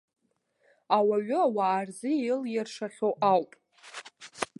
Ауаҩы ауаа рзы илиршахьоу ауп.